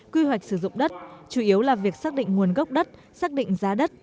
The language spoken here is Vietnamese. quy hoạch sử dụng đất chủ yếu là việc xác định nguồn gốc đất xác định giá đất